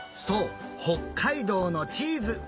そう北海道のチーズ！